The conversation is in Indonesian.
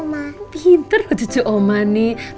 gak semua anak itu bisa memiliki buah gelas ya